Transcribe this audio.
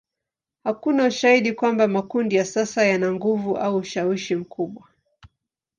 Hakuna ushahidi kwamba makundi ya sasa yana nguvu au ushawishi mkubwa.